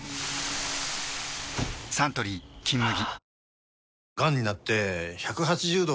サントリー「金麦」